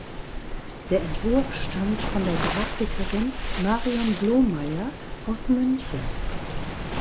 Der Entwurf stammt von der Grafikerin Marion Blomeyer aus München.